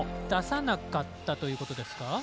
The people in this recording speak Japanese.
出さなかったということですか。